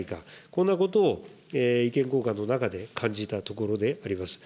こんなことを意見交換の中で感じたところであります。